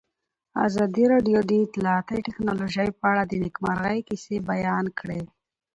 ازادي راډیو د اطلاعاتی تکنالوژي په اړه د نېکمرغۍ کیسې بیان کړې.